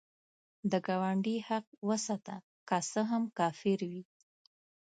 د ګاونډي حق وساته، که څه هم کافر وي